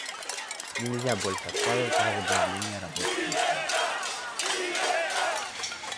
Нельзя больше откладывать возобновление работы Конференции.